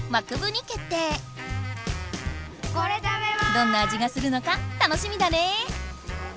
どんな味がするのか楽しみだね！